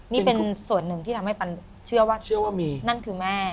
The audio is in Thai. นี่เป็นส่วนหนึ่งที่ทำให้ปันเชื่อว่าเชื่อว่ามีนั่นคือแม่